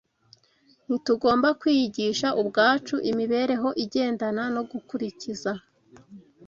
Ntitugomba kwiyigisha ubwacu imibereho igendana no gukurikiza